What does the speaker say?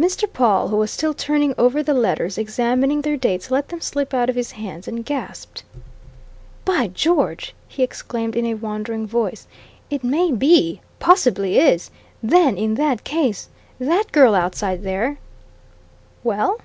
Mr. Pawle, who was still turning over the letters, examining their dates, let them slip out of his hands and gasped. "By George!" he exclaimed in a wondering voice. "It may be possibly is! Then, in that case, that girl outside there " "Well?"